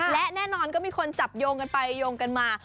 และแน่นอนก็มีคนจับโยงกันไปโยงกันมา